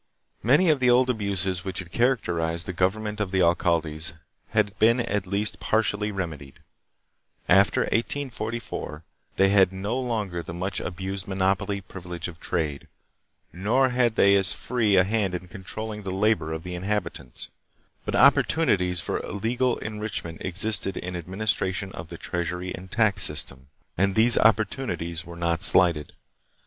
Many of the old abuses which had characterized the government of the alcaldes had been at least partially remedied. After 1844 they had no longer the much abused monopoly privilege of trade, nor had they as free 262 THE PHILIPPINES. a hand in controlling the labor of the inhabitants; but opportunities for illegal enrichment existed in the ad ministration of the treasury and tax system, and these opportunities were not slighted.